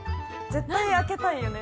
絶対開けたいよね。